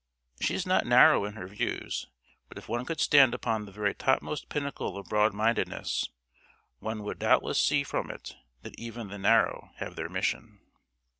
She is not narrow in her views; but if one could stand upon the very topmost pinnacle of broad mindedness, one would doubtless see from it that even the narrow have their mission.